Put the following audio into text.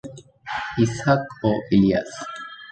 ইসহাক ও ইলিয়াস।